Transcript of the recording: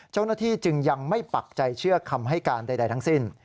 เจ้าหน้าที่จึงยังไม่ปักใจเชื่อคำให้การใดทั้งสิ้น